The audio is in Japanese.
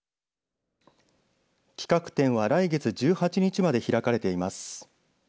企画展は来月１８日まで開かれています。